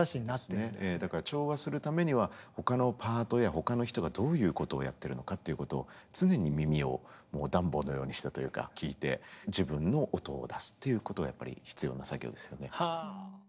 調和するためには他のパートや他の人がどういうことをやってるのかっていうことを常に耳をダンボのようにしてというか聴いて自分の音を出すっていうことがやっぱり必要な作業ですよね。